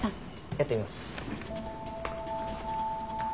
やってみます。